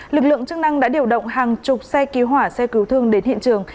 lực lượng chức năng đã điều động hàng chục xe cứu hỏa xe cứu thương đến hiện trường